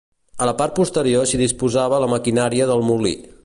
A la part posterior s'hi disposava la maquinària del molí.